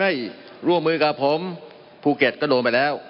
มันมีมาต่อเนื่องมีเหตุการณ์ที่ไม่เคยเกิดขึ้น